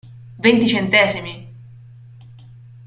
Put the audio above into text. Venti centesimi!